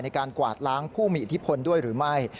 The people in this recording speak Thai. กวาดล้างผู้มีอิทธิพลด้วยหรือไม่